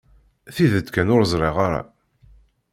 Tidet kan, ur ẓriɣ ara.